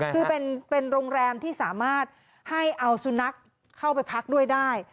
คือเป็นโรงแรมที่สามารถให้เอาสุนัขเข้าไปพักด้วยได้